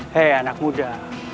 hei anak muda